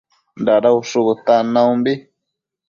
Dada ushu bëtan naumbi